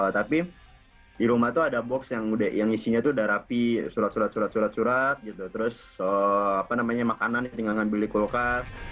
tapi di rumah tuh ada box yang isinya itu udah rapi surat surat surat surat gitu terus makanan tinggal ngambil di kulkas